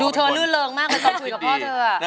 ดูเธอลื่นเลิงมากมากกว่าตอบคุยกับพ่อเธอ